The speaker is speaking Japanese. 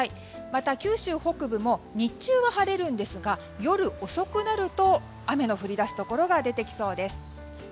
また九州北部も日中は晴れるんですが夜遅くなると雨の降りだすところが出てきそうです。